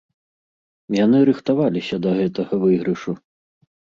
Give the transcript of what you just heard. Яны рыхтаваліся да гэтага выйгрышу.